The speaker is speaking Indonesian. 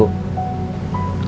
kalau cucu mau membantu saya